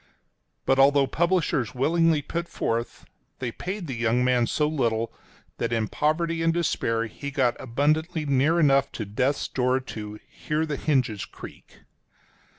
But although publishers willingly put forth, they paid the young man so little, that in poverty and despair he got abundantly near enough to death's door to "hear the hinges creak."